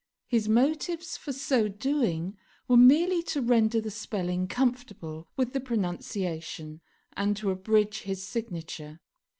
His motives for so doing were merely to render the spelling conformable with the pronunciation, and to abridge his signature.